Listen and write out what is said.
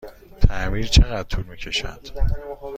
تعمیر چقدر طول می کشد؟